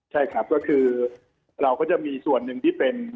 ใช่ครับก็คือเราก็จะมีส่วนหนึ่งที่เป็น